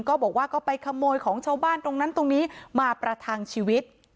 ก็บอกว่าก็ไปขโมยของชาวบ้านตรงนั้นตรงนี้มาประทังชีวิต